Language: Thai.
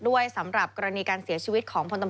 สวัสดีครับคุณผู้ชมค่ะต้อนรับเข้าที่วิทยาลัยศาสตร์